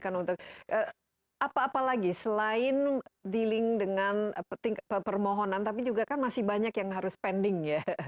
kan untuk apa apa lagi selain dealing dengan permohonan tapi juga kan masih banyak yang harus pending ya